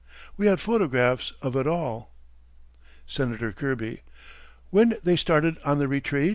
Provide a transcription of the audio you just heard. We had photographs of it all. Senator Kirby: When they started on the retreat?